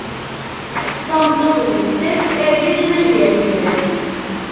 Tameṭṭut d lsas, argaz d ajgu alemmas.